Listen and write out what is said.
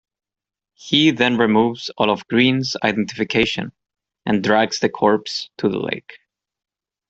He then removes all of Greene's identification and drags the corpse to the lake.